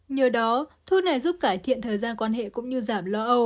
nhờ đó thuốc này giúp cải thiện thời gian quan hệ cũng như giảm lo âu